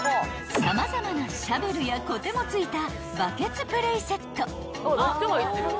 ［様々なシャベルやこても付いた］